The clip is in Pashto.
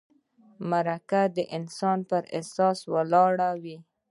مرکه د انسان پر احساس ولاړه وي.